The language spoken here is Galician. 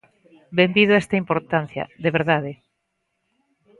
¡Benvido a esta importancia!, de verdade.